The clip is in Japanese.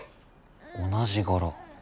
同じ柄。